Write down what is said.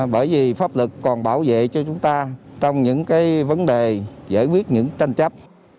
bởi vì pháp lực còn bảo vệ cho chúng ta trong những vấn đề giải quyết những tranh chấp